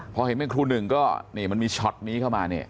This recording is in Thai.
พอเห็นเป็นครูหนึ่งก็นี่มันมีช็อตนี้เข้ามาเนี่ย